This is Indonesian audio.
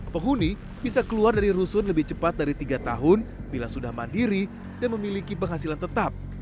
penghuni bisa keluar dari rusun lebih cepat dari tiga tahun bila sudah mandiri dan memiliki penghasilan tetap